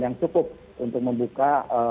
yang cukup untuk membuka